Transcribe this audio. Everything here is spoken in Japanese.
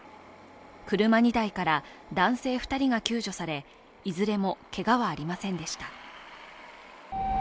車２台から男性２人が救助されいずれもけがはありませんでした。